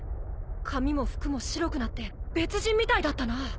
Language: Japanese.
髪も服も白くなって別人みたいだったな。